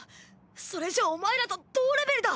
それじゃお前らと同レベルだ。